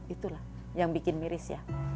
itulah yang bikin miris ya